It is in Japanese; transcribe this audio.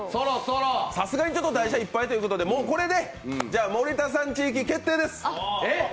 さすがに台車いっぱいということでもうこれで、森田さんち行き、決定です。